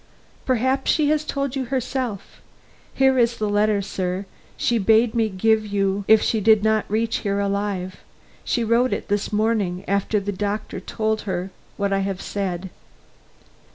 "Perhaps she has told you herself. Here is the letter, sir, she bade me give you if she did not reach here alive. She wrote it this morning, after the doctor told her what I have said."